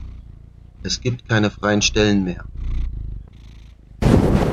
Es gibt keine freien Stellen mehr.